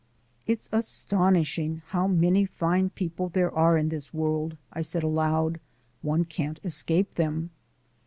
"It's astonishing how many fine people there are in this world," I said aloud; "one can't escape them!"